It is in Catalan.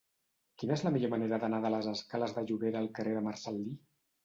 Quina és la millor manera d'anar de la escales de Llobera al carrer de Marcel·lí?